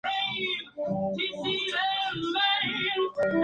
Es exportada a numerosos países como Finlandia, Alemania, Reino Unido e Irlanda.